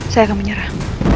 saya akan menyerah